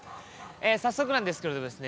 え早速なんですけれどもですね